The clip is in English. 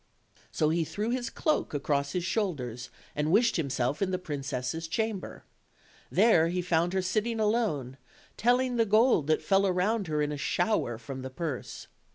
So he threw his cloak across his shoulders and wished himself in the princess' chamber. There he found her sitting alone, telling the gold that fell around her in a shower from the purse.